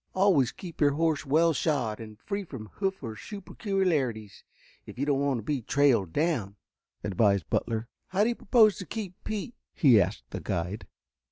"Always keep your horse well shod and free from hoof or shoe peculiarities if you don't want to be trailed down," advised Butler. "How do you propose to keep Pete?" he asked the guide.